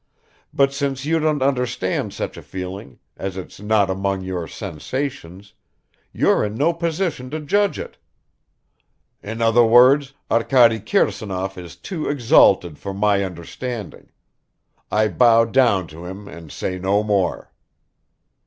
"But since you don't understand such a feeling, as it's not among your sensations, you're in no position to judge it!" "In other words, Arkady Kirsanov is too exalted for my understanding. I bow down to him and say no more."